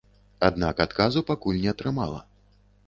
Аднак адказу пакуль не атрымала.